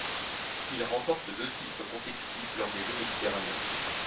Il remporte deux titres consécutifs lors des Jeux méditerranéens.